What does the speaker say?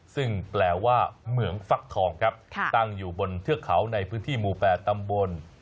ซึ่งแปลว่าเหมืองฟักทองครับตั้งอยู่บนเทือกเขาในพื้นที่หมู่๘ตำบล